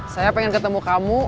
saya pengen ketemu kamu